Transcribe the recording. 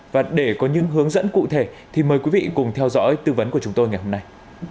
và để có những hướng dẫn cụ thể thì mời quý vị cùng theo dõi tư vấn của chúng tôi ngày hôm nay